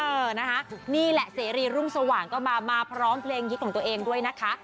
เออนะคะนี่แหละเสรีรุ่งสว่างก็มามาพร้อมเพลงฮิตของตัวเองด้วยนะคะ